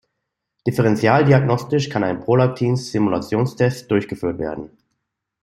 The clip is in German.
Differentialdiagnostisch kann ein Prolaktinstimulations-Test durchgeführt werden.